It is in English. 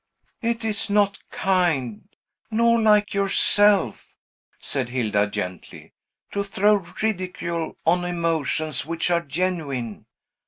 "It is not kind, nor like yourself," said Hilda gently, "to throw ridicule on emotions which are genuine.